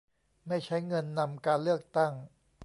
ไม่ใช้เงินนำการเลือกตั้ง